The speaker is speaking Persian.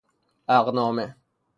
عقد نامه